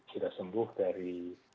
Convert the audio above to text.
sudah sembuh dari